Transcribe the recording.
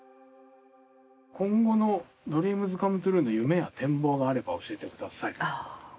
今後のＤＲＥＡＭＳＣＯＭＥＴＲＵＥの夢や展望があれば教えてください。